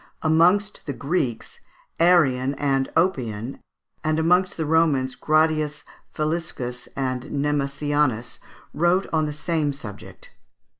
Amongst the Greeks Arrian and Oppian, and amongst the Romans, Gratius Faliscus and Nemesianus, wrote on the same subject.